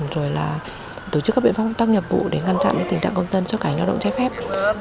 rồi là tổ chức các biện pháp công tác nghiệp vụ để ngăn chặn tình trạng công dân xuất cảnh lao động trái phép